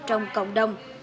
trong cộng đồng